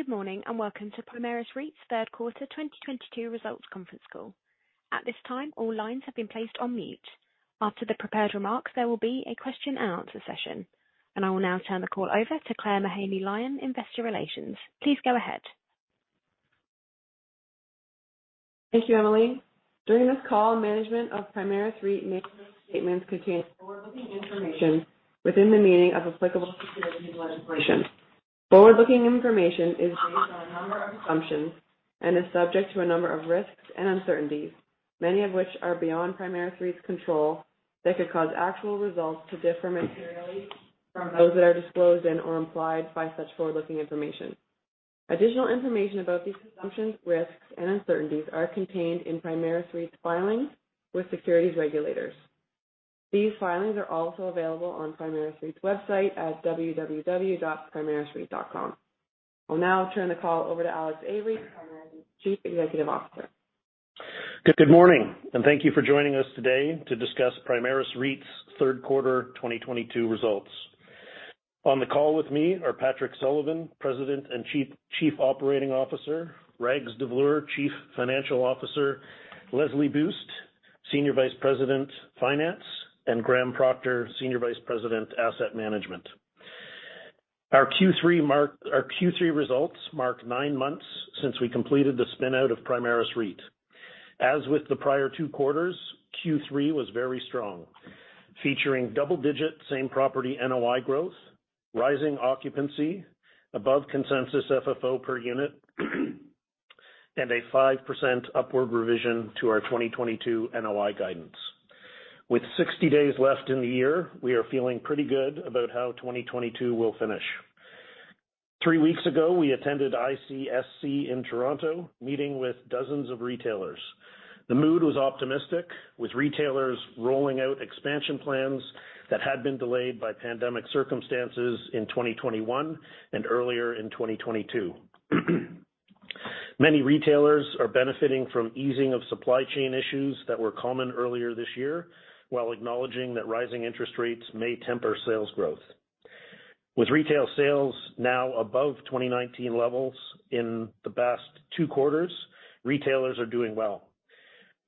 Good morning, and welcome to Primaris REIT's third quarter 2022 results conference call. At this time, all lines have been placed on mute. After the prepared remarks, there will be a question and answer session. I will now turn the call over to Claire Mahaney, Investor Relations. Please go ahead. Thank you, Emily. During this call, management of Primaris REIT may make statements contained forward-looking information within the meaning of applicable securities legislation. Forward-looking information is based on a number of assumptions and is subject to a number of risks and uncertainties, many of which are beyond Primaris REIT's control, that could cause actual results to differ materially from those that are disclosed and/or implied by such forward-looking information. Additional information about these assumptions, risks, and uncertainties are contained in Primaris REIT's filings with securities regulators. These filings are also available on Primaris REIT's website at www.primarisreit.com. I'll now turn the call over to Alex Avery, Primaris' Chief Executive Officer. Good morning, and thank you for joining us today to discuss Primaris REIT's third quarter 2022 results. On the call with me are Patrick Sullivan, President and Chief Operating Officer, Rags Davloor, Chief Financial Officer, Leslie Buist, Senior Vice President, Finance, and Graham Procter, Senior Vice President, Asset Management. Our Q3 results mark nine months since we completed the spin-out of Primaris REIT. As with the prior two quarters, Q3 was very strong, featuring double-digit same property NOI growth, rising occupancy above consensus FFO per unit, and a 5% upward revision to our 2022 NOI guidance. With 60 days left in the year, we are feeling pretty good about how 2022 will finish. Three weeks ago, we attended ICSC in Toronto, meeting with dozens of retailers. The mood was optimistic, with retailers rolling out expansion plans that had been delayed by pandemic circumstances in 2021 and earlier in 2022. Many retailers are benefiting from easing of supply chain issues that were common earlier this year, while acknowledging that rising interest rates may temper sales growth. With retail sales now above 2019 levels in the past two quarters, retailers are doing well.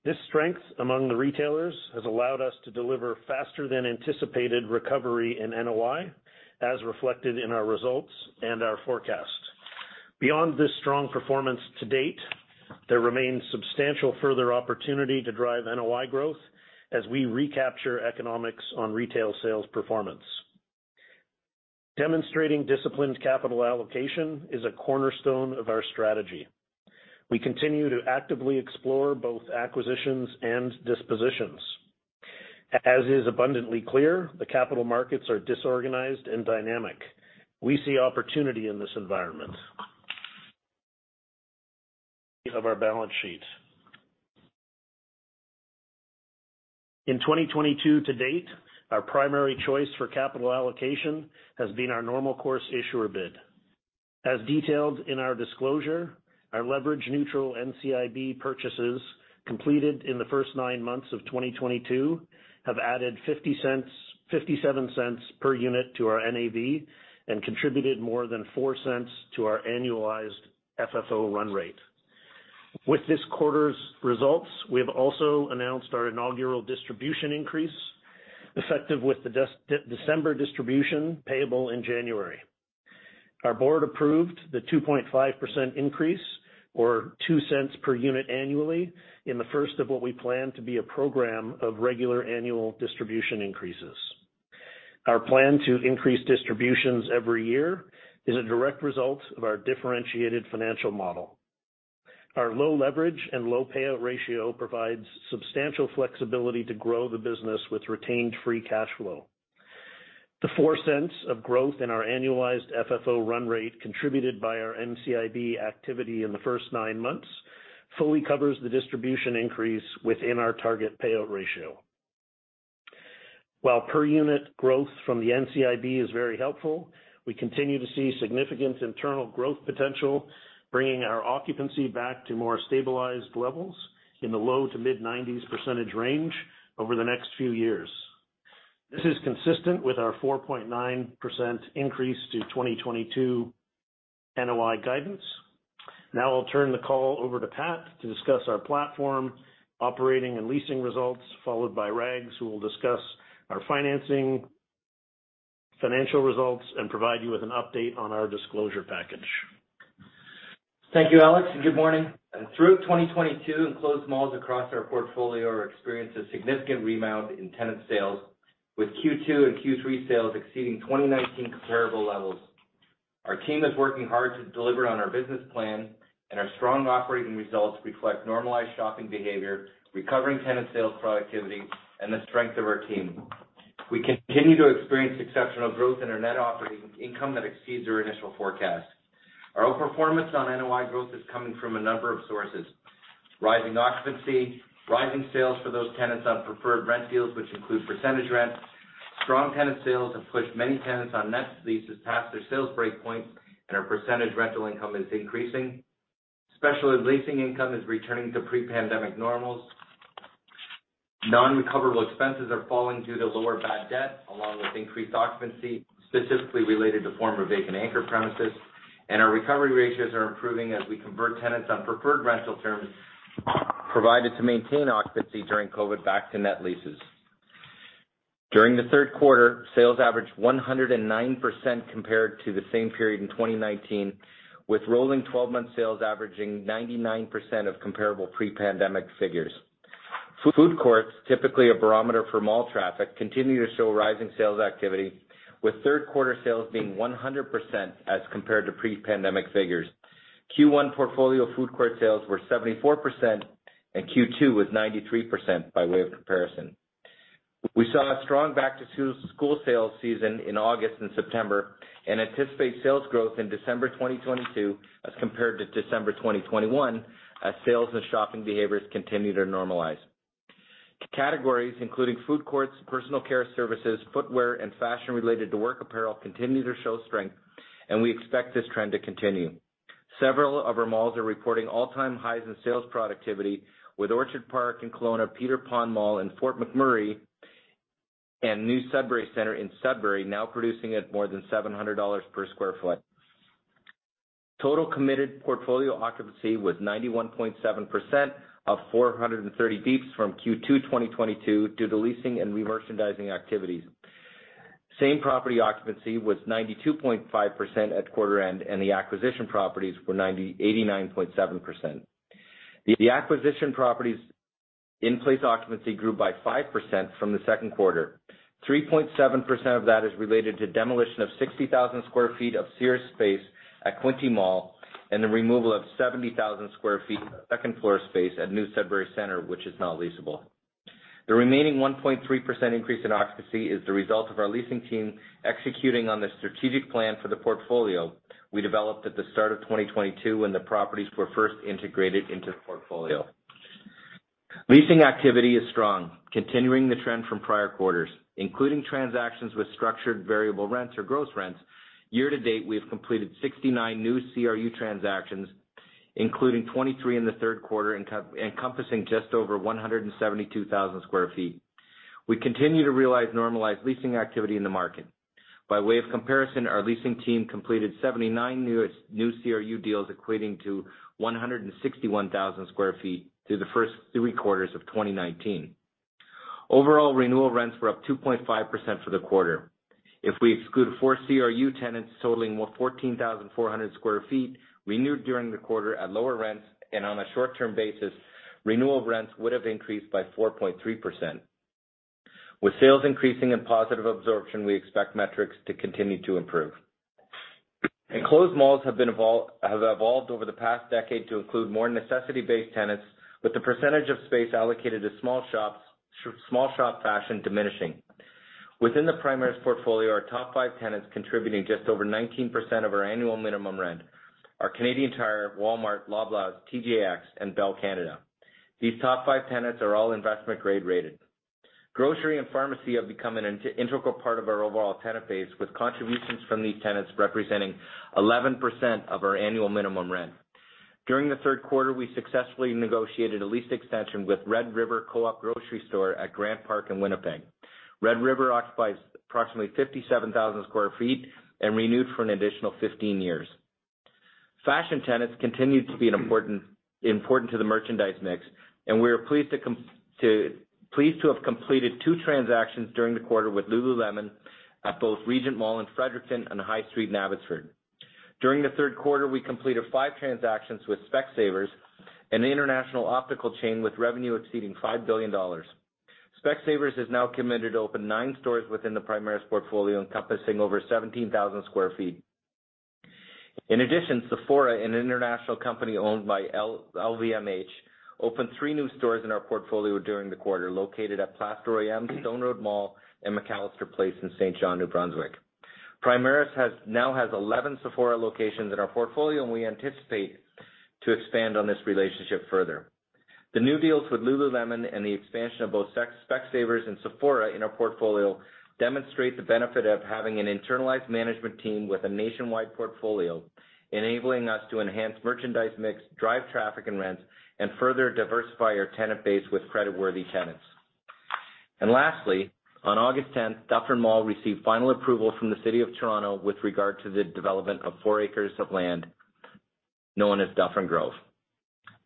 This strength among the retailers has allowed us to deliver faster than anticipated recovery in NOI, as reflected in our results and our forecast. Beyond this strong performance to date, there remains substantial further opportunity to drive NOI growth as we recapture economics on retail sales performance. Demonstrating disciplined capital allocation is a cornerstone of our strategy. We continue to actively explore both acquisitions and dispositions. As is abundantly clear, the capital markets are disorganized and dynamic. We see opportunity in this environment of our balance sheet. In 2022 to date, our primary choice for capital allocation has been our normal course issuer bid. As detailed in our disclosure, our leverage neutral NCIB purchases completed in the first nine months of 2022 have added 0.57 per unit to our NAV and contributed more than 0.04 to our annualized FFO run rate. With this quarter's results, we have also announced our inaugural distribution increase, effective with the December distribution payable in January. Our board approved the 2.5% increase or 0.02 per unit annually in the first of what we plan to be a program of regular annual distribution increases. Our plan to increase distributions every year is a direct result of our differentiated financial model. Our low leverage and low payout ratio provides substantial flexibility to grow the business with retained free cash flow. The 0.04 of growth in our annualized FFO run rate contributed by our NCIB activity in the first nine months fully covers the distribution increase within our target payout ratio. While per unit growth from the NCIB is very helpful, we continue to see significant internal growth potential, bringing our occupancy back to more stabilized levels in the low- to mid-90s% range over the next few years. This is consistent with our 4.9% increase to 2022 NOI guidance. Now I'll turn the call over to Pat to discuss our platform, operating and leasing results, followed by Rags, who will discuss our financing, financial results, and provide you with an update on our disclosure package. Thank you, Alex, and good morning. Through 2022, enclosed malls across our portfolio experienced a significant rebound in tenant sales, with Q2 and Q3 sales exceeding 2019 comparable levels. Our team is working hard to deliver on our business plan, and our strong operating results reflect normalized shopping behavior, recovering tenant sales productivity, and the strength of our team. We continue to experience exceptional growth in our net operating income that exceeds our initial forecast. Our outperformance on NOI growth is coming from a number of sources. Rising occupancy, rising sales for those tenants on percentage rent deals, which include percentage rents. Strong tenant sales have pushed many tenants on net leases past their sales breakpoint, and our percentage rental income is increasing. Specialized leasing income is returning to pre-pandemic normals. Non-recoverable expenses are falling due to lower bad debt, along with increased occupancy, specifically related to former vacant anchor premises. Our recovery ratios are improving as we convert tenants on preferred rental terms provided to maintain occupancy during COVID back to net leases. During the third quarter, sales averaged 109% compared to the same period in 2019, with rolling 12-month sales averaging 99% of comparable pre-pandemic figures. Food courts, typically a barometer for mall traffic, continue to show rising sales activity, with third quarter sales being 100% as compared to pre-pandemic figures. Q1 portfolio food court sales were 74%, and Q2 was 93% by way of comparison. We saw a strong back-to-school school sales season in August and September, and anticipate sales growth in December 2022 as compared to December 2021 as sales and shopping behaviors continue to normalize. Categories including food courts, personal care services, footwear, and fashion related to work apparel continue to show strength, and we expect this trend to continue. Several of our malls are reporting all-time highs in sales productivity with Orchard Park in Kelowna, Peter Pond Mall in Fort McMurray, and New Sudbury Centre in Sudbury now producing at more than 700 dollars per sq ft. Total committed portfolio occupancy was 91.7%, up 430 bps from Q2 2022 due to leasing and remerchandising activities. Same property occupancy was 92.5% at quarter end, and the acquisition properties were 89.7%. The acquisition properties in-place occupancy grew by 5% from the second quarter. 3.7% of that is related to demolition of 60,000sq ft of Sears space at Quinte Mall and the removal of 70,000sq ft of second-floor space at New Sudbury Centre, which is not leasable. The remaining 1.3% increase in occupancy is the result of our leasing team executing on the strategic plan for the portfolio we developed at the start of 2022 when the properties were first integrated into the portfolio. Leasing activity is strong, continuing the trend from prior quarters, including transactions with structured variable rents or gross rents. Year to date, we have completed 69 new CRU transactions, including 23 in the third quarter encompassing just over 172,000sq ft. We continue to realize normalized leasing activity in the market. By way of comparison, our leasing team completed 79 CRU deals equating to 161,000sq ft through the first three quarters of 2019. Overall, renewal rents were up 2.5% for the quarter. If we exclude four CRU tenants totaling more than 14,400sq ft renewed during the quarter at lower rents and on a short-term basis, renewal rents would have increased by 4.3%. With sales increasing and positive absorption, we expect metrics to continue to improve. Enclosed malls have evolved over the past decade to include more necessity-based tenants, with the percentage of space allocated to small shop fashion diminishing. Within the Primaris portfolio, our top five tenants contributing just over 19% of our annual minimum rent are Canadian Tire, Walmart, Loblaws, TJX, and Bell Canada. These top five tenants are all investment grade rated. Grocery and pharmacy have become an integral part of our overall tenant base, with contributions from these tenants representing 11% of our annual minimum rent. During the third quarter, we successfully negotiated a lease extension with Red River Co-op Grocery Store at Grant Park in Winnipeg. Red River occupies approximately 57,000sq ft and renewed for an additional 15 years. Fashion tenants continued to be an important to the merchandise mix, and we are pleased to have completed two transactions during the quarter with Lululemon at both Regent Mall in Fredericton and High Street in Abbotsford. During the third quarter, we completed five transactions with Specsavers, an international optical chain with revenue exceeding 5 billion dollars. Specsavers has now committed to open nine stores within the Primaris portfolio, encompassing over 17,000sq ft. In addition, Sephora, an international company owned by LVMH, opened three new stores in our portfolio during the quarter, located at Place d'Orléans, Stone Road Mall, and McAllister Place in Saint John, New Brunswick. Primaris now has eleven Sephora locations in our portfolio, and we anticipate to expand on this relationship further. The new deals with Lululemon and the expansion of both Specsavers and Sephora in our portfolio demonstrate the benefit of having an internalized management team with a nationwide portfolio, enabling us to enhance merchandise mix, drive traffic and rents, and further diversify our tenant base with creditworthy tenants. Lastly, on August tenth, Dufferin Mall received final approval from the City of Toronto with regard to the development of four acres of land known as Dufferin Grove.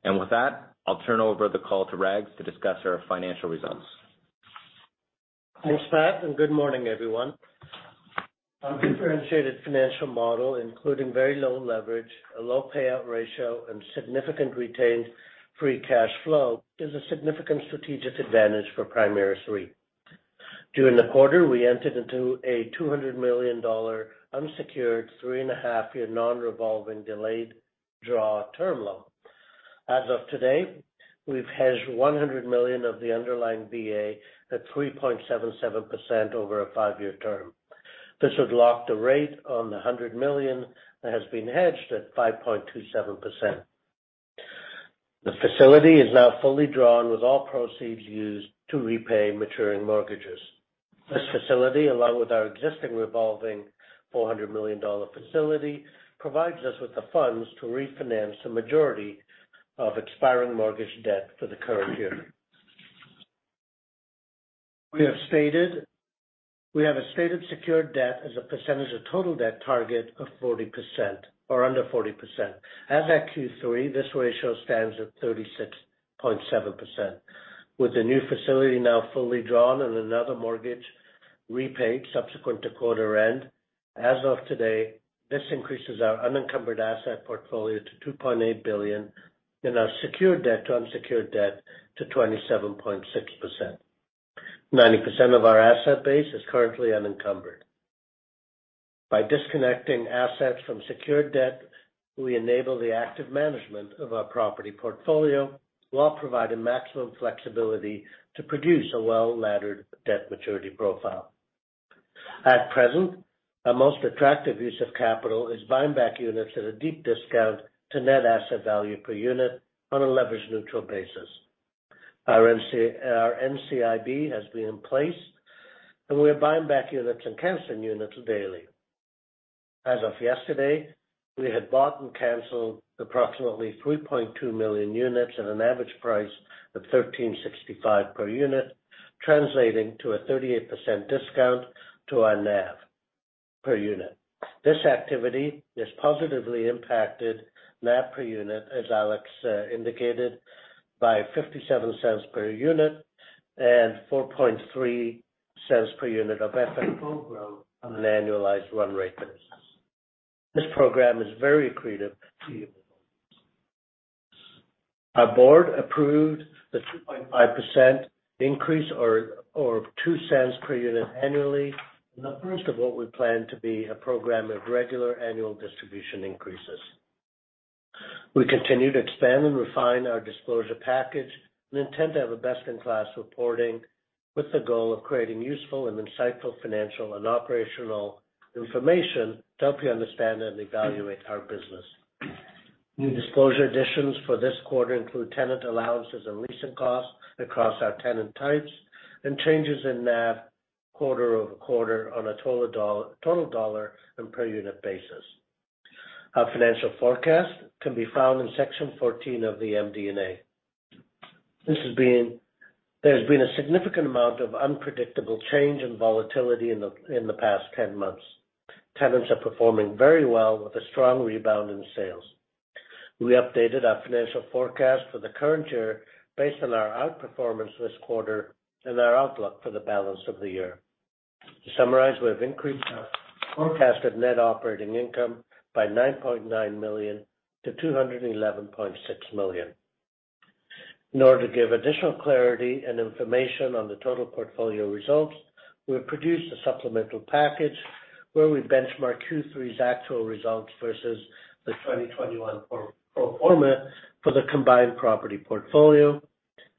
With that, I'll turn over the call to Rags to discuss our financial results. Thanks, Pat, and good morning, everyone. Our differentiated financial model, including very low leverage, a low payout ratio, and significant retained free cash flow, is a significant strategic advantage for Primaris REIT. During the quarter, we entered into a 200 million dollar unsecured three and half year non-revolving delayed draw term loan. As of today, we've hedged 100 million of the underlying BA at 3.77% over a five year term. This would lock the rate on the 100 million that has been hedged at 5.27%. The facility is now fully drawn, with all proceeds used to repay maturing mortgages. This facility, along with our existing revolving 400 million dollar facility, provides us with the funds to refinance the majority of expiring mortgage debt for the current year. We have a stated secured debt as a percentage of total debt target of 40% or under 40%. As at Q3, this ratio stands at 36.7%. With the new facility now fully drawn and another mortgage repaid subsequent to quarter end, as of today, this increases our unencumbered asset portfolio to 2.8 billion and our secured debt to unsecured debt to 27.6%. 90% of our asset base is currently unencumbered. By disconnecting assets from secured debt, we enable the active management of our property portfolio while providing maximum flexibility to produce a well-laddered debt maturity profile. At present, our most attractive use of capital is buying back units at a deep discount to net asset value per unit on a leverage neutral basis. Our NCIB has been in place, and we are buying back units and canceling units daily. As of yesterday, we had bought and canceled approximately 3.2 million units at an average price of 13.65 per unit, translating to a 38% discount to our NAV per unit. This activity has positively impacted NAV per unit, as Alex indicated, by 0.57 per unit and 0.043 per unit of FFO on an annualized run rate basis. This program is very accretive. Our board approved the 2.5% increase or two cents per unit annually. The first of what we plan to be a program of regular annual distribution increases. We continue to expand and refine our disclosure package and intend to have a best-in-class reporting with the goal of creating useful and insightful financial and operational information to help you understand and evaluate our business. New disclosure additions for this quarter include tenant allowances and leasing costs across our tenant types and changes in NAV quarter over quarter on a total dollar and per unit basis. Our financial forecast can be found in Section 14 of the MD&A. There's been a significant amount of unpredictable change and volatility in the past 10 months. Tenants are performing very well with a strong rebound in sales. We updated our financial forecast for the current year based on our outperformance this quarter and our outlook for the balance of the year. To summarize, we have increased our forecasted net operating income by 9.9 million-211.6 million. In order to give additional clarity and information on the total portfolio results, we have produced a supplemental package where we benchmark Q3's actual results versus the 2021 pro forma for the combined property portfolio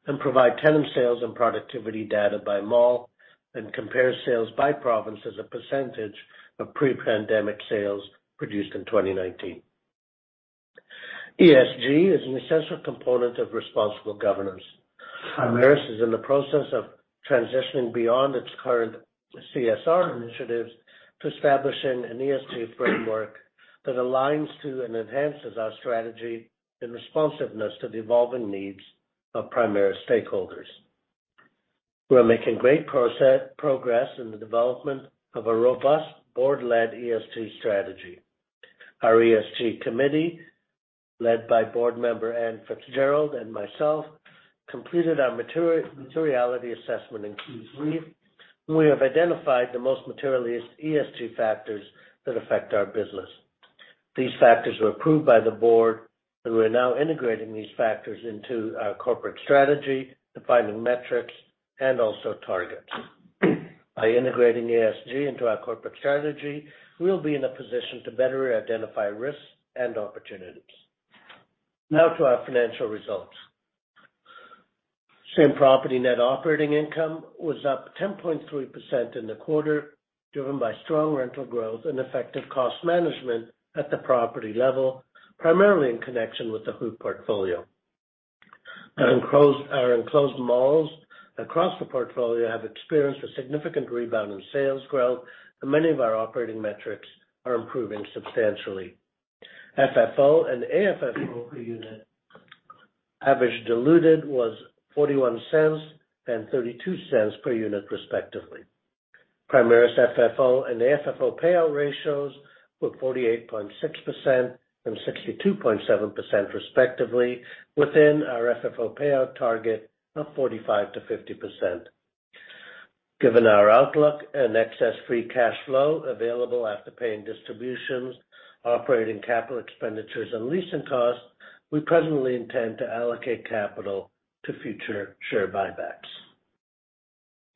and provide tenant sales and productivity data by mall and compare sales by province as a percentage of pre-pandemic sales produced in 2019. ESG is an essential component of responsible governance. Primaris is in the process of transitioning beyond its current CSR initiatives to establishing an ESG framework that aligns to and enhances our strategy and responsiveness to the evolving needs of primary stakeholders. We are making great progress in the development of a robust board-led ESG strategy. Our ESG committee, led by board member Anne Fitzgerald and myself, completed our materiality assessment in Q3, and we have identified the most material ESG factors that affect our business. These factors were approved by the board, and we are now integrating these factors into our corporate strategy, defining metrics, and also targets. By integrating ESG into our corporate strategy, we'll be in a position to better identify risks and opportunities. Now to our financial results. Same property net operating income was up 10.3% in the quarter, driven by strong rental growth and effective cost management at the property level, primarily in connection with the H&R portfolio. Our enclosed malls across the portfolio have experienced a significant rebound in sales growth, and many of our operating metrics are improving substantially. FFO and AFFO per unit average diluted was 0.41 and 0.32 per unit, respectively. Primaris FFO and AFFO payout ratios were 48.6% and 62.7%, respectively, within our FFO payout target of 45%-50%. Given our outlook and excess free cash flow available after paying distributions, operating capital expenditures, and leasing costs, we presently intend to allocate capital to future share buybacks.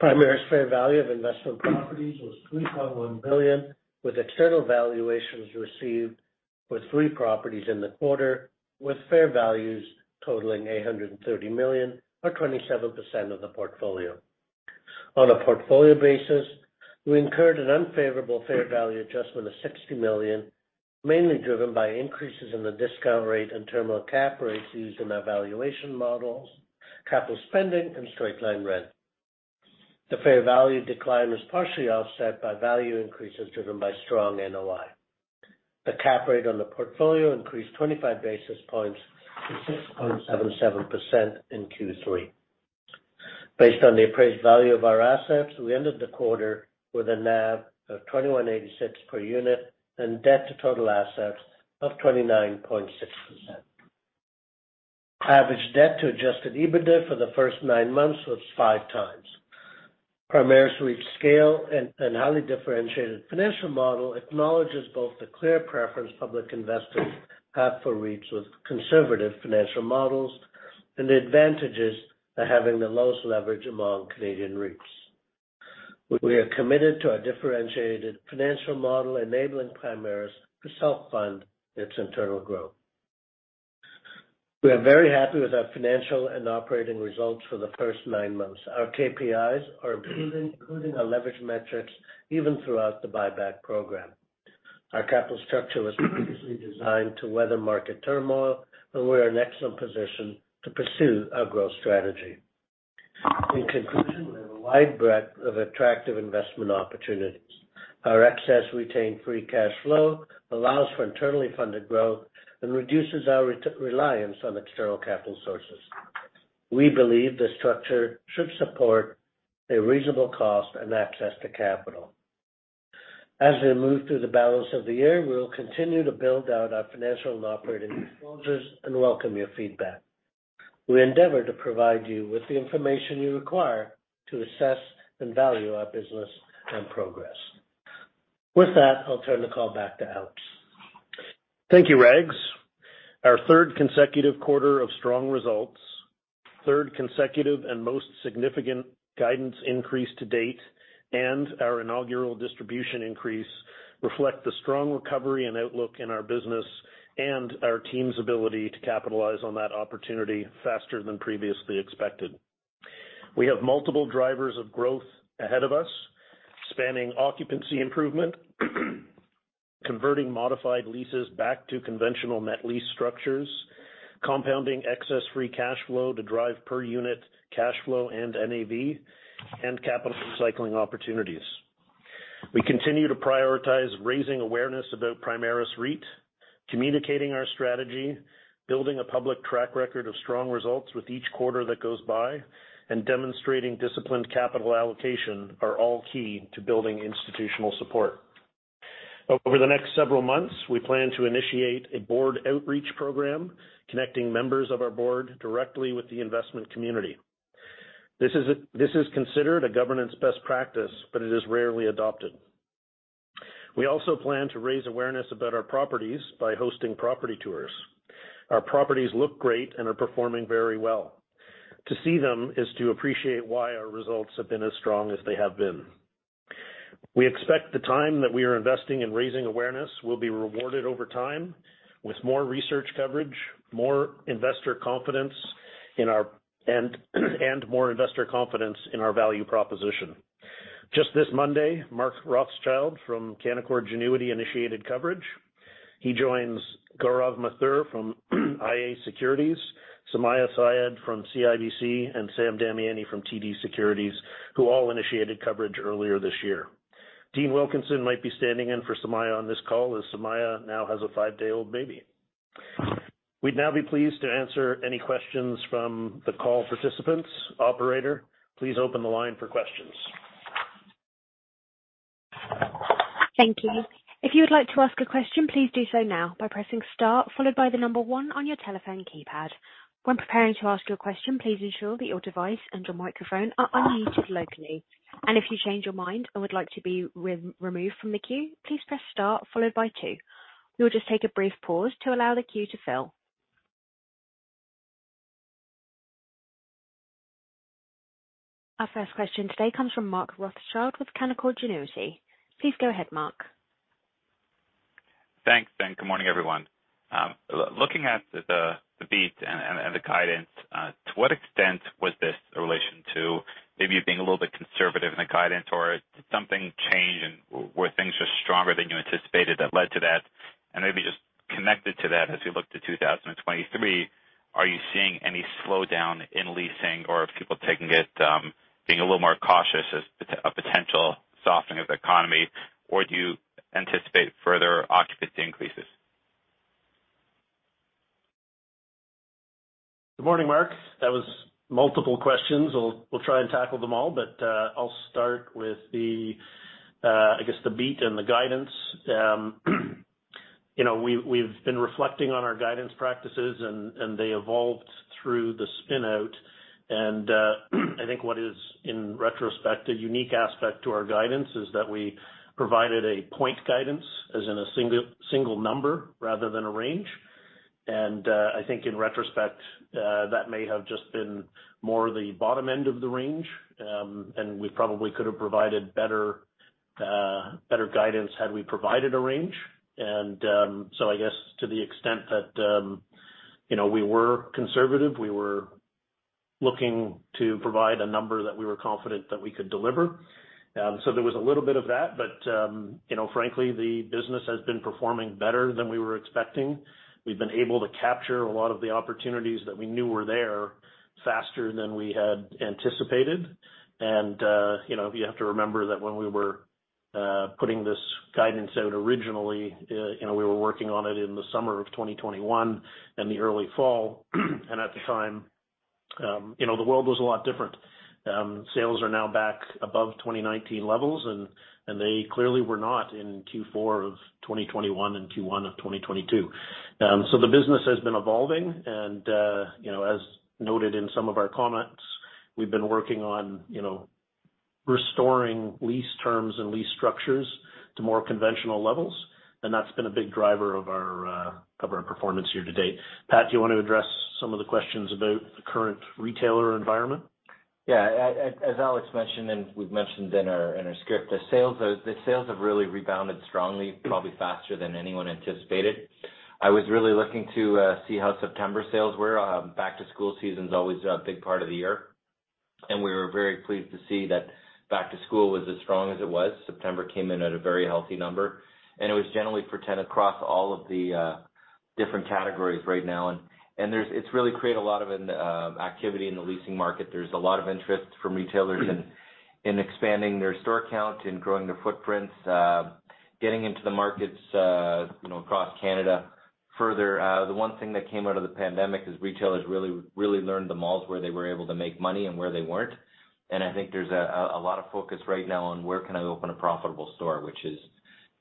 Primaris fair value of investment properties was 3.1 billion, with external valuations received for three properties in the quarter, with fair values totaling 830 million, or 27% of the portfolio. On a portfolio basis, we incurred an unfavorable fair value adjustment of 60 million, mainly driven by increases in the discount rate and terminal cap rates used in our valuation models, capital spending and straight-line rent. The fair value decline was partially offset by value increases driven by strong NOI. The cap rate on the portfolio increased 25 basis points to 6.77% in Q3. Based on the appraised value of our assets, we ended the quarter with a NAV of 21.86 per unit and debt to total assets of 29.6%. Average debt to adjusted EBITDA for the first nine months was 5x. Primaris REIT's scale and highly differentiated financial model acknowledges both the clear preference public investors have for REITs with conservative financial models, and the advantages of having the lowest leverage among Canadian REITs. We are committed to our differentiated financial model, enabling Primaris to self-fund its internal growth. We are very happy with our financial and operating results for the first nine months. Our KPIs are improving, including our leverage metrics, even throughout the buyback program. Our capital structure was previously designed to weather market turmoil, and we are in excellent position to pursue our growth strategy. In conclusion, we have a wide breadth of attractive investment opportunities. Our excess retained free cash flow allows for internally funded growth and reduces our reliance on external capital sources. We believe the structure should support a reasonable cost and access to capital. As we move through the balance of the year, we will continue to build out our financial and operating disclosures and welcome your feedback. We endeavor to provide you with the information you require to assess and value our business and progress. With that, I'll turn the call back to Alex. Thank you, Rags. Our third consecutive quarter of strong results, third consecutive and most significant guidance increase to date, and our inaugural distribution increase reflect the strong recovery and outlook in our business and our team's ability to capitalize on that opportunity faster than previously expected. We have multiple drivers of growth ahead of us, spanning occupancy improvement, converting modified leases back to conventional net lease structures, compounding excess free cash flow to drive per unit cash flow and NAV, and capital recycling opportunities. We continue to prioritize raising awareness about Primaris REIT, communicating our strategy, building a public track record of strong results with each quarter that goes by, and demonstrating disciplined capital allocation are all key to building institutional support. Over the next several months, we plan to initiate a board outreach program, connecting members of our board directly with the investment community. This is considered a governance best practice, but it is rarely adopted. We also plan to raise awareness about our properties by hosting property tours. Our properties look great and are performing very well. To see them is to appreciate why our results have been as strong as they have been. We expect the time that we are investing in raising awareness will be rewarded over time with more research coverage, more investor confidence in our value proposition. Just this Monday, Mark Rothschild from Canaccord Genuity initiated coverage. He joins Gaurav Mathur from iA Securities, Sumayya Syed from CIBC, and Sam Damiani from TD Securities, who all initiated coverage earlier this year. Dean Wilkinson might be standing in for Sumayya on this call, as Sumayya now has a five-day-old baby. We'd now be pleased to answer any questions from the call participants. Operator, please open the line for questions. Thank you. If you would like to ask a question, please do so now by pressing star followed by the number one on your telephone keypad. When preparing to ask your question, please ensure that your device and your microphone are unmuted locally. If you change your mind and would like to be re-removed from the queue, please press star followed by two. We'll just take a brief pause to allow the queue to fill. Our first question today comes from Mark Rothschild with Canaccord Genuity. Please go ahead, Mark. Thanks. Good morning, everyone. Looking at the beat and the guidance, to what extent was this in relation to maybe you being a little bit conservative in the guidance, or did something change and were things just stronger than you anticipated that led to that? Maybe just connected to that, as we look to 2023, are you seeing any slowdown in leasing or people taking it, being a little more cautious as potential softening of the economy, or do you anticipate further occupancy increases? Good morning, Mark. That was multiple questions. We'll try and tackle them all. I'll start with, I guess, the beat and the guidance. You know, we've been reflecting on our guidance practices and they evolved through the spin-out. I think what is, in retrospect, a unique aspect to our guidance is that we provided a point guidance, as in a single number rather than a range. I think in retrospect that may have just been more the bottom end of the range. We probably could have provided better guidance had we provided a range. I guess to the extent that you know we were conservative, we were looking to provide a number that we were confident that we could deliver. There was a little bit of that, but, you know, frankly, the business has been performing better than we were expecting. We've been able to capture a lot of the opportunities that we knew were there faster than we had anticipated. You have to remember that when we were putting this guidance out originally, you know, we were working on it in the summer of 2021 and the early fall. At the time, you know, the world was a lot different. Sales are now back above 2019 levels, and they clearly were not in Q4 of 2021 and Q1 of 2022. The business has been evolving, and you know, as noted in some of our comments, we've been working on you know, restoring lease terms and lease structures to more conventional levels, and that's been a big driver of our performance year to date. Pat, do you want to address some of the questions about the current retailer environment? Yeah, as Alex mentioned, and we've mentioned in our script, the sales have really rebounded strongly, probably faster than anyone anticipated. I was really looking to see how September sales were. Back to school season's always a big part of the year, and we were very pleased to see that back to school was as strong as it was. September came in at a very healthy number, and it was generally 4.10% across all of the different categories right now. It's really created a lot of activity in the leasing market. There's a lot of interest from retailers in expanding their store count and growing their footprints, getting into the markets, you know, across Canada further. The one thing that came out of the pandemic is retailers really, really learned the malls where they were able to make money and where they weren't. I think there's a lot of focus right now on where can I open a profitable store, which is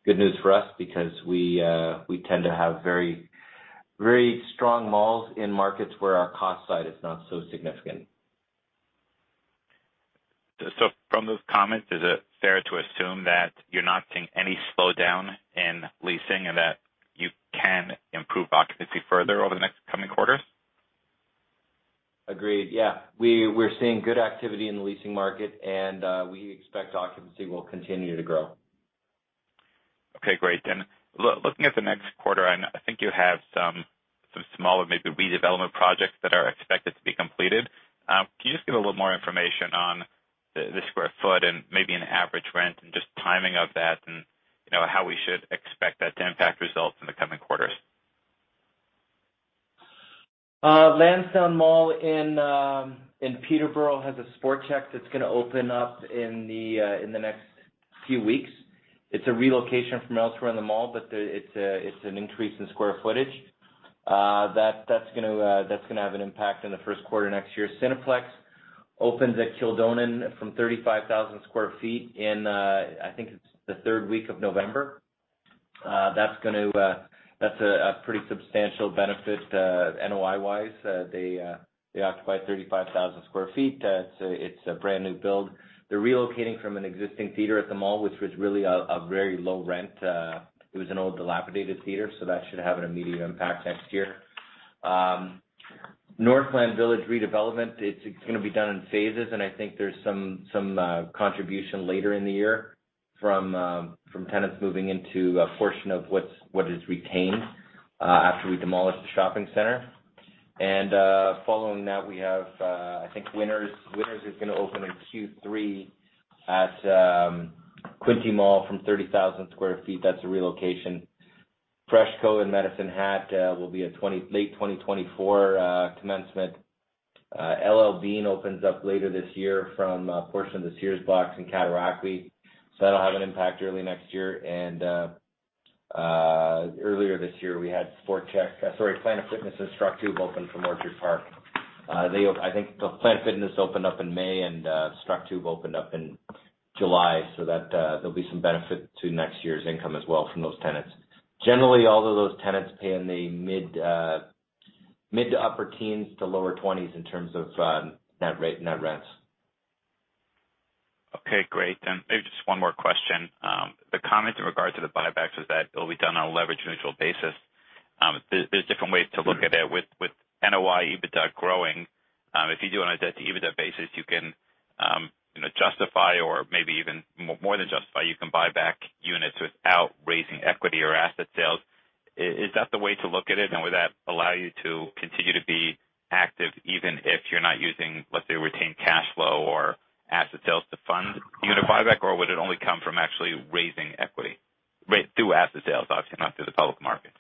good news for us because we tend to have very, very strong malls in markets where our cost side is not so significant. From those comments, is it fair to assume that you're not seeing any slowdown in leasing and that you can improve occupancy further over the next coming quarters? Agreed. Yeah. We're seeing good activity in the leasing market, and we expect occupancy will continue to grow. Okay, great. Looking at the next quarter, I think you have some smaller maybe redevelopment projects that are expected to be completed. Can you just give a little more information on the square foot and maybe an average rent and just timing of that and, you know, how we should expect that to impact results in the coming quarters? Lansdowne Place in Peterborough has a Sport Chek that's gonna open up in the next few weeks. It's a relocation from elsewhere in the mall, it's an increase in square footage. That's gonna have an impact in the first quarter next year. Cineplex opens at Kildonan from 35,000sq ft in, I think it's the third week of November. That's gonna, that's a pretty substantial benefit, NOI-wise. They occupy 35,000sq ft. It's a brand new build. They're relocating from an existing theater at the mall, which was really a very low rent. It was an old dilapidated theater, so that should have an immediate impact next year. Northland Village redevelopment, it's gonna be done in phases, and I think there's some contribution later in the year from tenants moving into a portion of what is retained after we demolish the shopping center. Following that, we have, I think Winners. Winners is gonna open in Q3 at Quinte Mall from 30,000sq ft. That's a relocation. FreshCo in Medicine Hat will be a late 2024 commencement. L.L.Bean opens up later this year from a portion of the Sears box in Cataraqui Centre. That'll have an impact early next year. Earlier this year, we had Sport Chek, sorry, Planet Fitness and Structube open from Orchard Park. I think the Planet Fitness opened up in May and Structube opened up in July, so that there'll be some benefit to next year's income as well from those tenants. Generally, all of those tenants pay in the mid to upper teens to lower twenties in terms of net rate, net rents. Okay, great. Maybe just one more question. The comment in regard to the buybacks was that it will be done on a leverage-neutral basis. There's different ways to look at it. With NOI EBITDA growing, if you do it on a debt-to-EBITDA basis, you can, you know, justify or maybe even more than justify, you can buy back units without raising equity or asset sales. Is that the way to look at it? And would that allow you to continue to be active even if you're not using, let's say, retained cash flow or asset sales to fund unit buyback, or would it only come from actually raising equity through asset sales, obviously not through the public market?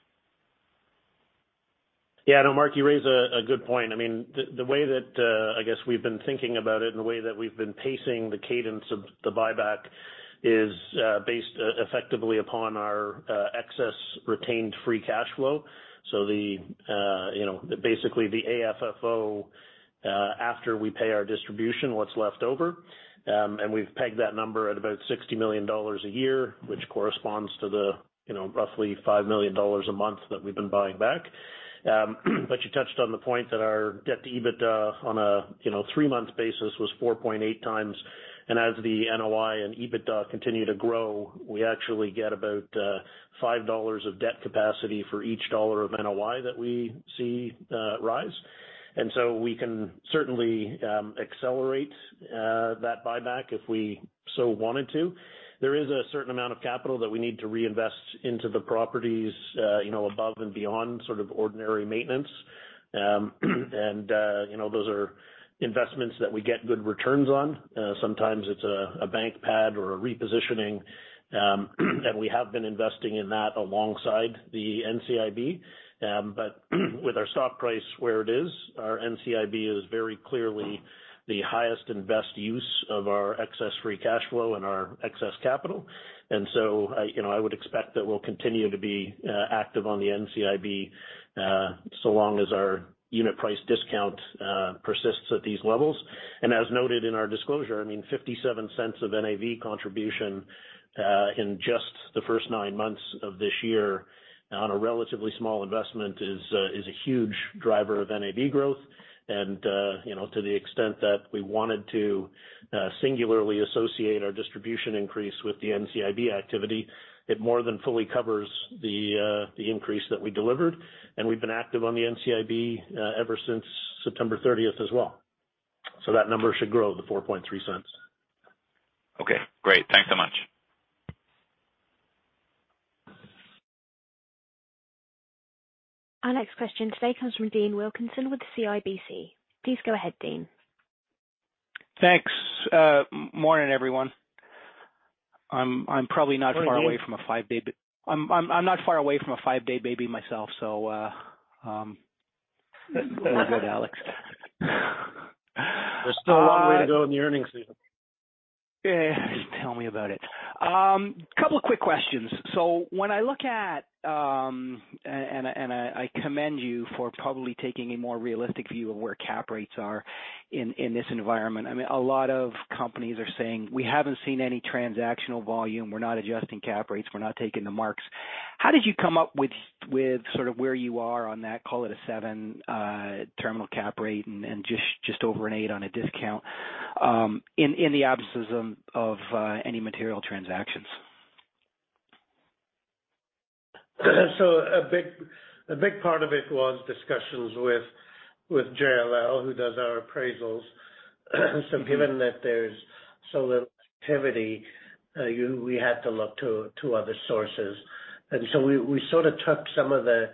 Yeah. No, Mark, you raise a good point. I mean, the way that I guess we've been thinking about it and the way that we've been pacing the cadence of the buyback is effectively upon our excess retained free cash flow. So, you know, basically the AFFO after we pay our distribution, what's left over, and we've pegged that number at about 60 million dollars a year, which corresponds to the, you know, roughly 5 million dollars a month that we've been buying back. But you touched on the point that our debt to EBITDA on a, you know, three-month basis was 4.8x, and as the NOI and EBITDA continue to grow, we actually get about 5 dollars of debt capacity for each CAD 1 of NOI that we see rise. We can certainly accelerate that buyback if we so wanted to. There is a certain amount of capital that we need to reinvest into the properties, you know, above and beyond sort of ordinary maintenance. You know, those are investments that we get good returns on. Sometimes it's a bank pad or a repositioning, and we have been investing in that alongside the NCIB. With our stock price where it is, our NCIB is very clearly the highest and best use of our excess free cash flow and our excess capital. You know, I would expect that we'll continue to be active on the NCIB so long as our unit price discount persists at these levels. As noted in our disclosure, I mean, 0.57 of NAV contribution in just the first nine months of this year on a relatively small investment is a huge driver of NAV growth. You know, to the extent that we wanted to singularly associate our distribution increase with the NCIB activity, it more than fully covers the increase that we delivered. We've been active on the NCIB ever since September 30th as well. That number should grow the 0.043. Okay, great. Thanks so much. Our next question today comes from Dean Wilkinson with CIBC. Please go ahead, Dean. Thanks, morning, everyone. I'm probably not far away. Morning, Dean. I'm not far away from a five-day baby myself. Real good, Alex. There's still a long way to go in the earnings season. Yeah. Tell me about it. Couple of quick questions. When I look at, I commend you for probably taking a more realistic view of where cap rates are in this environment. I mean, a lot of companies are saying, "We haven't seen any transactional volume. We're not adjusting cap rates. We're not taking the marks." How did you come up with sort of where you are on that, call it a seven terminal cap rate and just over an eight on a discount in the absence of any material transactions? A big part of it was discussions with JLL, who does our appraisals. Given that there's so little activity, we had to look to other sources. We sort of took some of the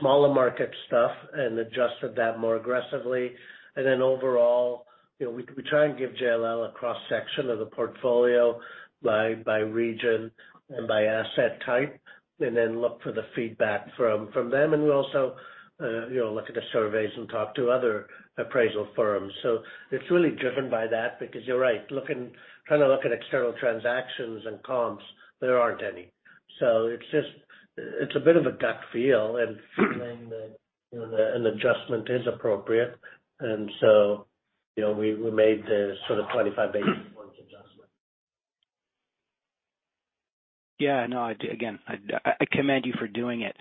smaller market stuff and adjusted that more aggressively. Overall, you know, we try and give JLL a cross-section of the portfolio by region and by asset type, and then look for the feedback from them. We also, you know, look at the surveys and talk to other appraisal firms. It's really driven by that because you're right, trying to look at external transactions and comps, there aren't any. It's a bit of a gut feel and feeling that, you know, an adjustment is appropriate. You know, we made the sort of 25 basis points adjustment. Yeah, no, again, I commend you for doing it.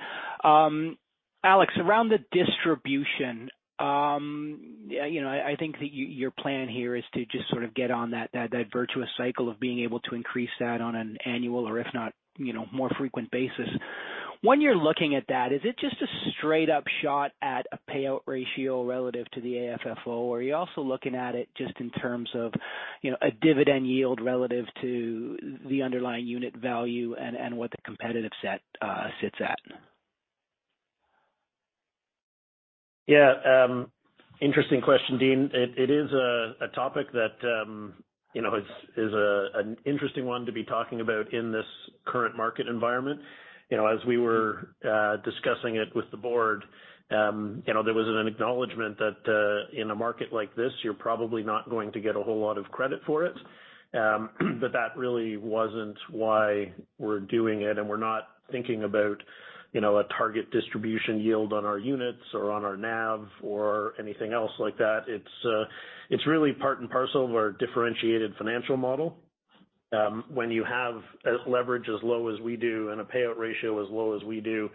Alex, around the distribution, you know, I think that your plan here is to just sort of get on that virtuous cycle of being able to increase that on an annual or if not, you know, more frequent basis. When you're looking at that, is it just a straight up shot at a payout ratio relative to the AFFO? Or are you also looking at it just in terms of, you know, a dividend yield relative to the underlying unit value and what the competitive set sits at? Yeah, interesting question, Dean. It is a topic that, you know, is an interesting one to be talking about in this current market environment. You know, as we were discussing it with the board, you know, there was an acknowledgment that, in a market like this, you're probably not going to get a whole lot of credit for it. That really wasn't why we're doing it, and we're not thinking about, you know, a target distribution yield on our units or on our NAV or anything else like that. It's really part and parcel of our differentiated financial model. When you have leverage as low as we do and a payout ratio as low as we do,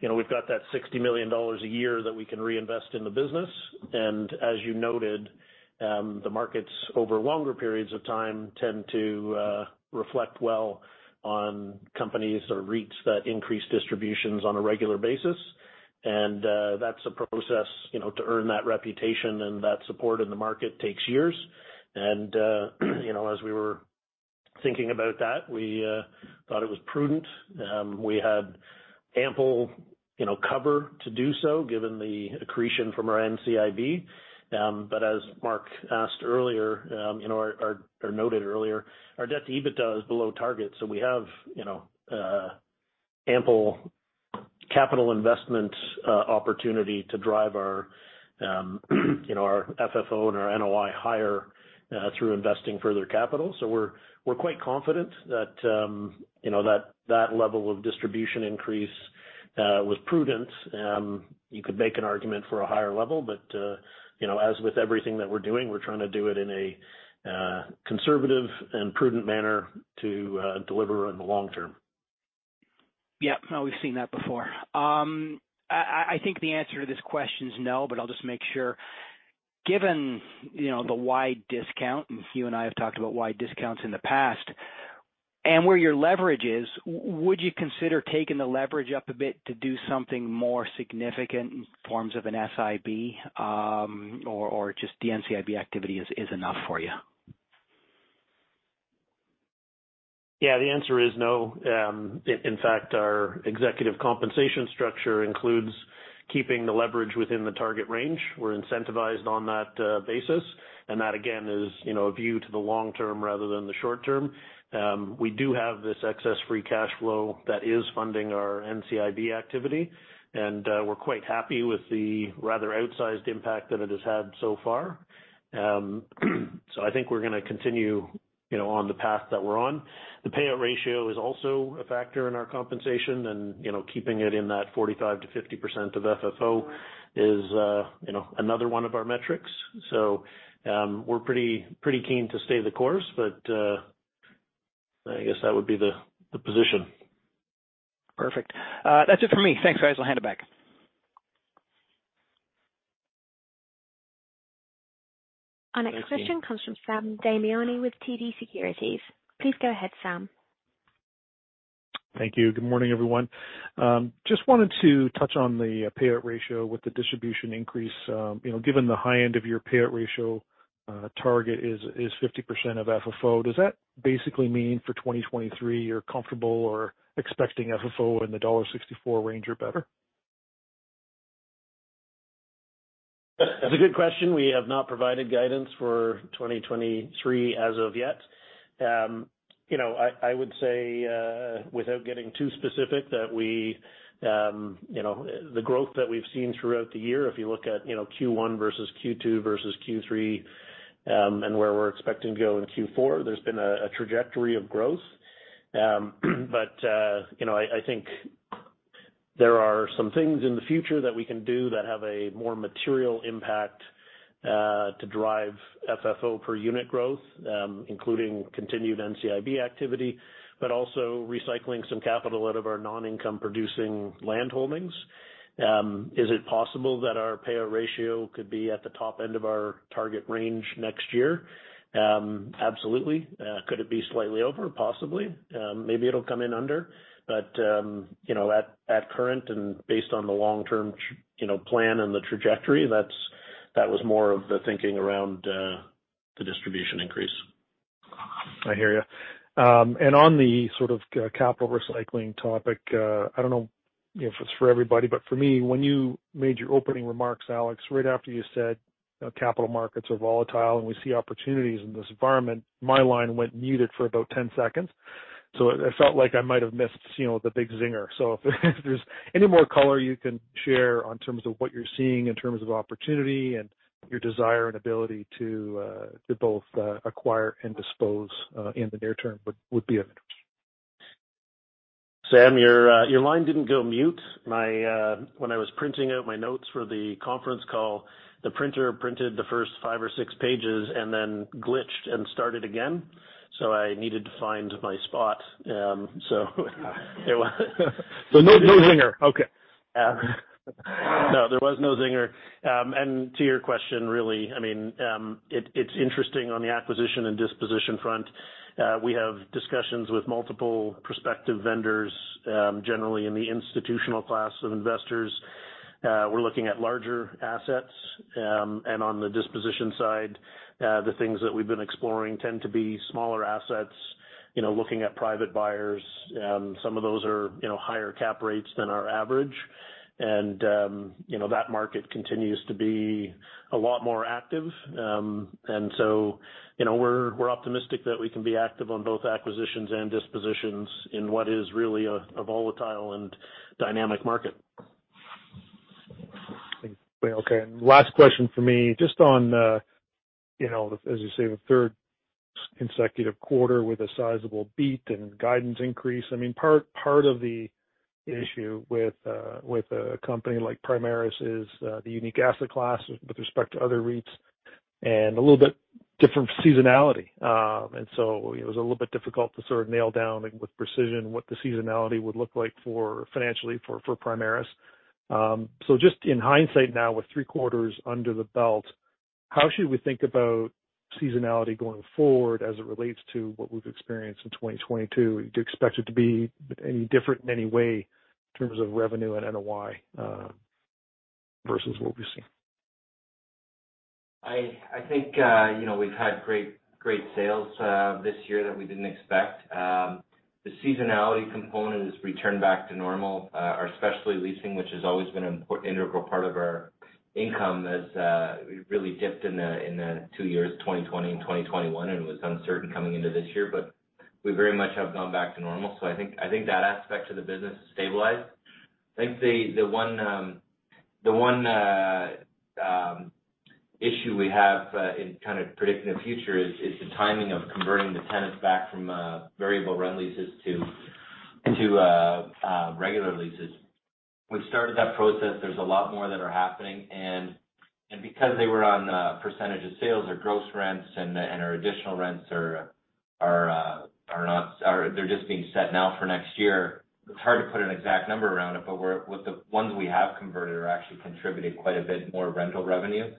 you know, we've got that 60 million dollars a year that we can reinvest in the business. As you noted, the markets over longer periods of time tend to reflect well on companies or REITs that increase distributions on a regular basis. That's a process, you know, to earn that reputation and that support in the market takes years. You know, as we were thinking about that, we thought it was prudent. We had ample, you know, cover to do so given the accretion from our NCIB. But as Mark asked earlier, you know, or noted earlier, our debt-to-EBITDA is below target, so we have, you know, ample capital investment opportunity to drive our, you know, our FFO and our NOI higher through investing further capital. We're quite confident that, you know, that level of distribution increase was prudent. You could make an argument for a higher level, but you know, as with everything that we're doing, we're trying to do it in a conservative and prudent manner to deliver in the long term. Yeah. No, we've seen that before. I think the answer to this question is no, but I'll just make sure. Given you know the wide discount, and you and I have talked about wide discounts in the past, and where your leverage is, would you consider taking the leverage up a bit to do something more significant in forms of an SIB, or just the NCIB activity is enough for you? Yeah, the answer is no. In fact, our executive compensation structure includes keeping the leverage within the target range. We're incentivized on that basis, and that again is, you know, a view to the long term rather than the short term. We do have this excess free cash flow that is funding our NCIB activity, and we're quite happy with the rather outsized impact that it has had so far. I think we're gonna continue, you know, on the path that we're on. The payout ratio is also a factor in our compensation and, you know, keeping it in that 45%-50% of FFO is another one of our metrics. We're pretty keen to stay the course, but I guess that would be the position. Perfect. That's it for me. Thanks, guys. I'll hand it back. Thank you. Our next question comes from Sam Damiani with TD Securities. Please go ahead, Sam. Thank you. Good morning, everyone. Just wanted to touch on the payout ratio with the distribution increase. You know, given the high end of your payout ratio target is 50% of FFO, does that basically mean for 2023, you're comfortable or expecting FFO in the dollar 64 range or better? That's a good question. We have not provided guidance for 2023 as of yet. You know, I would say, without getting too specific, that we, you know, the growth that we've seen throughout the year, if you look at, you know, Q1 versus Q2 versus Q3, and where we're expecting to go in Q4, there's been a trajectory of growth. You know, I think there are some things in the future that we can do that have a more material impact to drive FFO per unit growth, including continued NCIB activity, but also recycling some capital out of our non-income producing land holdings. Is it possible that our payout ratio could be at the top end of our target range next year? Absolutely. Could it be slightly over? Possibly. Maybe it'll come in under. You know, at current and based on the long-term plan and the trajectory, that was more of the thinking around the distribution increase. I hear you. On the sort of capital recycling topic, I don't know if it's for everybody, but for me, when you made your opening remarks, Alex, right after you said, you know, capital markets are volatile, and we see opportunities in this environment, my line went muted for about 10 seconds, so it felt like I might have missed, you know, the big zinger. If there's any more color you can share in terms of what you're seeing in terms of opportunity and your desire and ability to both acquire and dispose in the near term, would be of interest. Sam, your line didn't go mute. When I was printing out my notes for the conference call, the printer printed the first five or six pages and then glitched and started again. I needed to find my spot. there wa- No zinger. Okay. Yeah. No, there was no zinger. To your question really, I mean, it's interesting on the acquisition and disposition front. We have discussions with multiple prospective vendors, generally in the institutional class of investors. We're looking at larger assets. On the disposition side, the things that we've been exploring tend to be smaller assets, you know, looking at private buyers. Some of those are, you know, higher cap rates than our average. You know, that market continues to be a lot more active. You know, we're optimistic that we can be active on both acquisitions and dispositions in what is really a volatile and dynamic market. Okay. Last question for me, just on, you know, as you say, the third consecutive quarter with a sizable beat and guidance increase. I mean, part of the issue with a company like Primaris is the unique asset class with respect to other REITs and a little bit different seasonality. It was a little bit difficult to sort of nail down with precision what the seasonality would look like financially for Primaris. Just in hindsight now, with three quarters under the belt, how should we think about seasonality going forward as it relates to what we've experienced in 2022? Do you expect it to be any different in any way in terms of revenue and NOI versus what we've seen? I think you know, we've had great sales this year that we didn't expect. The seasonality component has returned back to normal. Our specialty leasing, which has always been an important integral part of our income, has really dipped in the two years, 2020 and 2021, and was uncertain coming into this year. We very much have gone back to normal. I think that aspect of the business is stabilized. I think the one issue we have in kind of predicting the future is the timing of converting the tenants back from variable rent leases to regular leases. We've started that process. There's a lot more that are happening, and because they were on percentage of sales or gross rents and our additional rents are not, they're just being set now for next year. It's hard to put an exact number around it, but with the ones we have converted are actually contributing quite a bit more rental revenue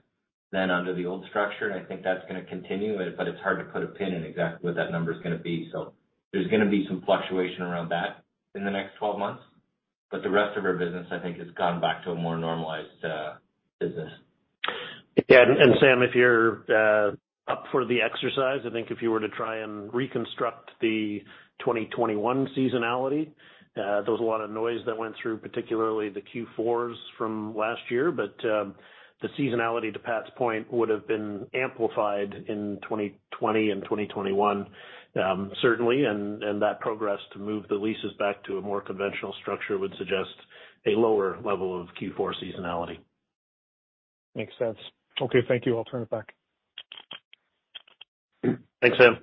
than under the old structure. I think that's gonna continue, but it's hard to put a pin in exactly what that number is gonna be. There's gonna be some fluctuation around that in the next 12 months. The rest of our business, I think, has gone back to a more normalized business. Yeah, Sam, if you're up for the exercise, I think if you were to try and reconstruct the 2021 seasonality, there was a lot of noise that went through, particularly the Q4s from last year. The seasonality to Pat's point would have been amplified in 2020 and 2021, certainly. That progress to move the leases back to a more conventional structure would suggest a lower level of Q4 seasonality. Makes sense. Okay, thank you. I'll turn it back. Thanks, Sam.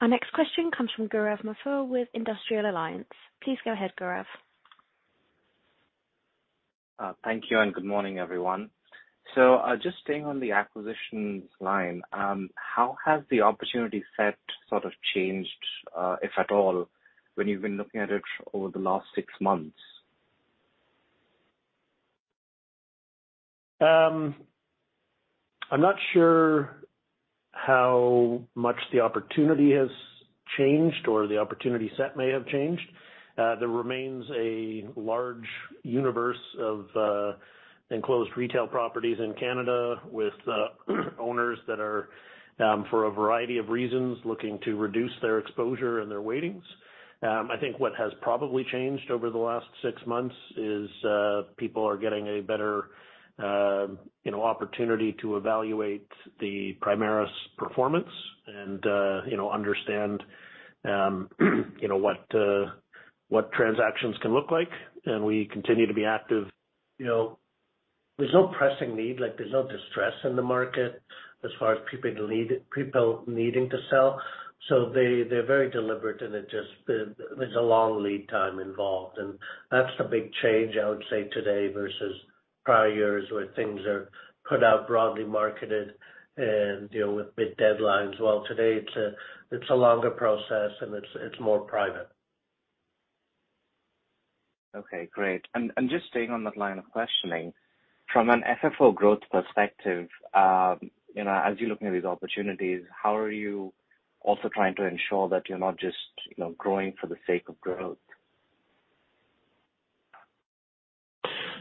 Our next question comes from Gaurav Mathur with iA Capital Markets. Please go ahead, Gaurav. Thank you, and good morning, everyone. Just staying on the acquisitions line, how has the opportunity set sort of changed, if at all, when you've been looking at it over the last six months? I'm not sure how much the opportunity has changed or the opportunity set may have changed. There remains a large universe of enclosed retail properties in Canada with owners that are, for a variety of reasons, looking to reduce their exposure and their weightings. I think what has probably changed over the last six months is people are getting a better, you know, opportunity to evaluate the Primaris performance and, you know, understand, you know, what transactions can look like, and we continue to be active. You know, there's no pressing need, like there's no distress in the market as far as people need, people needing to sell. They, they're very deliberate, and it just, there's a long lead time involved. That's the big change I would say today versus prior years, where things are put out, broadly marketed and, you know, with big deadlines. While today it's a longer process and it's more private. Okay, great. Just staying on that line of questioning. From an FFO growth perspective, you know, as you're looking at these opportunities, how are you also trying to ensure that you're not just, you know, growing for the sake of growth?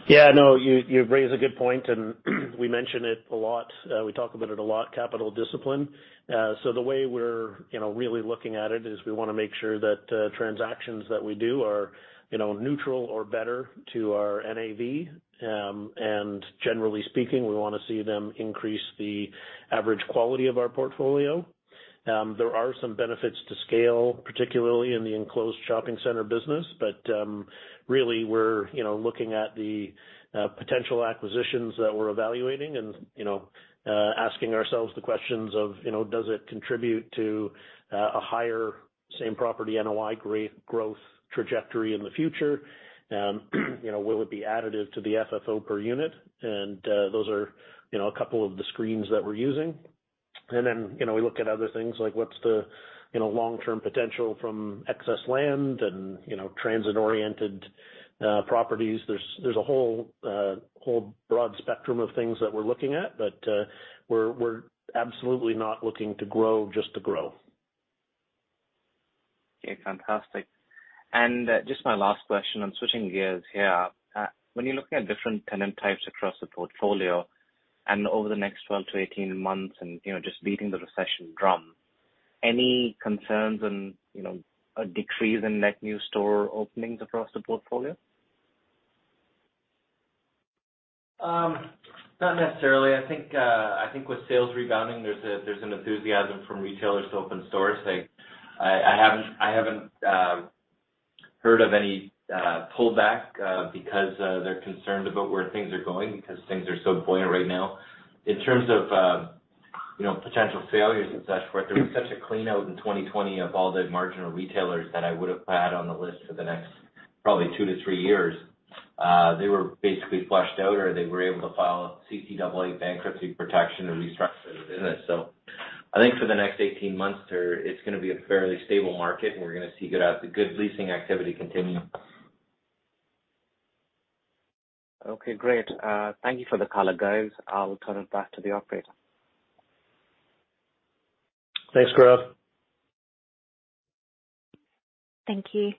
Yeah, no, you raise a good point, and we mention it a lot. We talk about it a lot, capital discipline. The way we're, you know, really looking at it is we wanna make sure that transactions that we do are, you know, neutral or better to our NAV. Generally speaking, we wanna see them increase the average quality of our portfolio. There are some benefits to scale, particularly in the enclosed shopping center business. Really we're, you know, looking at the potential acquisitions that we're evaluating and, you know, asking ourselves the questions of, you know, does it contribute to a higher same-property NOI growth trajectory in the future? You know, will it be additive to the FFO per unit? Those are, you know, a couple of the screens that we're using. You know, we look at other things like what's the, you know, long-term potential from excess land and, you know, transit-oriented properties. There's a whole broad spectrum of things that we're looking at, but, we're absolutely not looking to grow just to grow. Okay, fantastic. Just my last question, I'm switching gears here. When you're looking at different tenant types across the portfolio and over the next 12-18 months and, you know, just beating the recession drum, any concerns and, you know, a decrease in net new store openings across the portfolio? Not necessarily. I think with sales rebounding, there's an enthusiasm from retailers to open stores. Like I haven't heard of any pullback because they're concerned about where things are going because things are so buoyant right now. In terms of you know, potential failures and so forth, there was such a clean out in 2020 of all the marginal retailers that I would have had on the list for the next probably two to three years. They were basically flushed out or they were able to file CCAA bankruptcy protection and restructure the business. I think for the next 18 months there, it's gonna be a fairly stable market and we're gonna see good leasing activity continue. Okay, great. Thank you for the color, guys. I'll turn it back to the operator. Thanks, Gaurav. Thank you.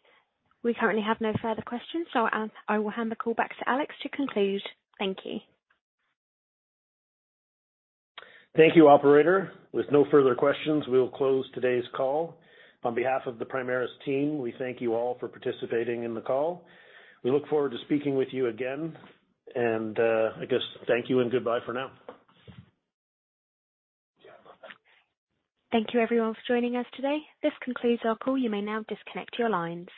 We currently have no further questions, so I will hand the call back to Alex to conclude. Thank you. Thank you, operator. With no further questions, we will close today's call. On behalf of the Primaris team, we thank you all for participating in the call. We look forward to speaking with you again, and I guess thank you and goodbye for now. Thank you, everyone, for joining us today. This concludes our call. You may now disconnect your lines.